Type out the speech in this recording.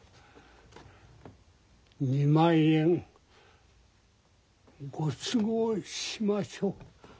２万円ご都合しましょう。